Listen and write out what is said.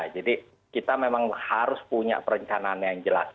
jadi kita memang harus punya perencanaan yang jelas